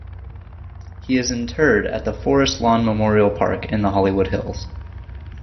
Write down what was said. He is interred at the Forest Lawn Memorial Park in the Hollywood Hills.